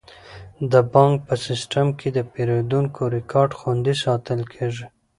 د بانک په سیستم کې د پیرودونکو ریکارډ خوندي ساتل کیږي.